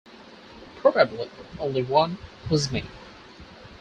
Probably only one was made.